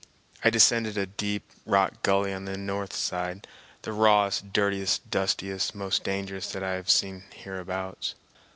I descended a deep rock gully on the north side, the rawest, dirtiest, dustiest, most dangerous that I have seen hereabouts.